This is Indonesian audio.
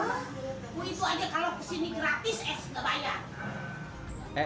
bu itu aja kalo kesini gratis es gak bayar